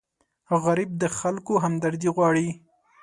غریب د خلکو همدردي غواړي